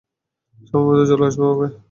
সময়মতো চলে আসব, ওকে?